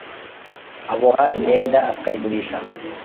aboha imyenda akayigurisha